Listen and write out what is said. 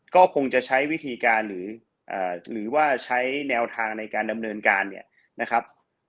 ก็คงจะใช้วิธีการหรือว่าใช้แนวทางในการดำเนินการเนี่ยนะครับ